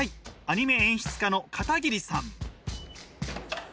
アニメ演出家の片桐さん。